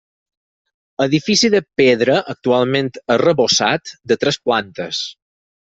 Edifici de pedra, actualment arrebossat, de tres plantes.